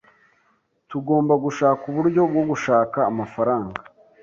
Tugomba gushaka uburyo bwo gushaka amafaranga.